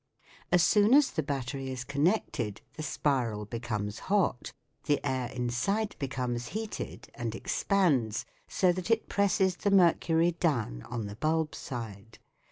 As soon as the battery is connected the spiral becomes hot, the air inside becomes heated and expands so that it presses the mercury down on the bulb side.